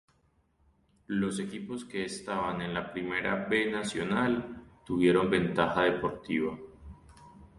Los equipos que estaban en de Primera B Nacional tuvieron ventaja deportiva.